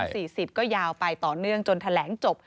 สี่สิบก็ยาวไปต่อเนื่องจนแถลงจบ